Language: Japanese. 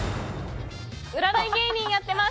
占い芸人やってます。